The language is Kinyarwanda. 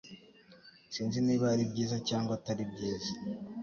Sinzi niba ari byiza cyangwa atari byiza